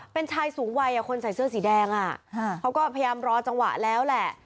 เป็นชายสูงวัยคนใส่เสื้อสีแดงเขาก็พยายามรอจังหวะแล้วแหละ